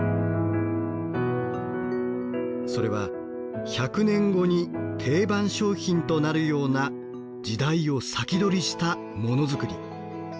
それは１００年後に定番商品となるような時代を先取りしたモノ作り。